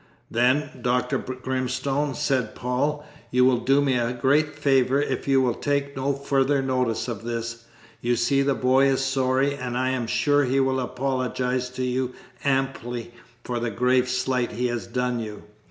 "Then, Dr. Grimstone," said Paul, "you will do me a great favour if you will take no further notice of this. You see the boy is sorry, and I am sure he will apologise to you amply for the grave slight he has done you.